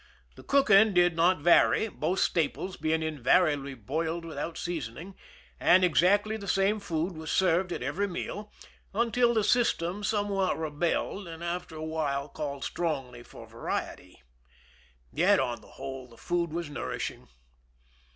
The « 167 THE SINKING OF THE "MERRIMAC" cooking did not vary, both staples being invariably boiled without seasoning, and exactly the same food was served at every meal, until the system somewhat rebelled and after a while called strongly for variety ; yet on the whole the food was nourish ing.